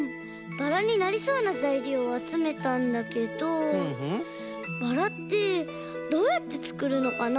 バラになりそうなざいりょうをあつめたんだけどバラってどうやってつくるのかな？